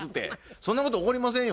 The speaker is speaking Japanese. そんなこと起こりませんよ